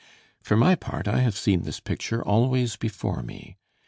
For my part, I have this picture always before me.